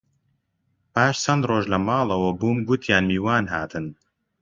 پاش چەند ڕۆژ لە ماڵەوە بووم، گوتیان میوان هاتن